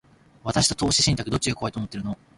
私と投資信託、どっちが怖いと思ってるの？